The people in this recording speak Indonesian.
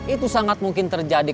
itu sangat mungkin terjadi